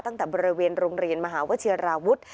ตั้งแต่บริเวณโรงเรียนมหาวิทยาลาวุธ